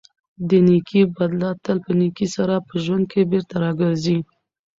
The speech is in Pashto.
د نېکۍ بدله تل په نېکۍ سره په ژوند کې بېرته راګرځي.